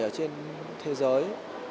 ở trên thế giới